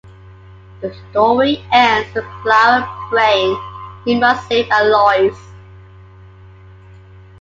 The story ends with Klara praying, He must live, Alois.